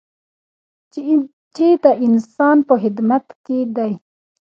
چې د انسان په خدمت کې دی.